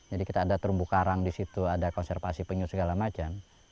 jadi kita ada terumbu karang di situ ada konservasi penyu segala macam